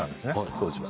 当時は。